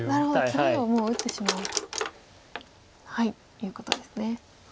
切りをもう打ってしまうということですね。